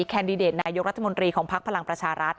แคนดิเดตนายกรัฐมนตรีของพักพลังประชารัฐ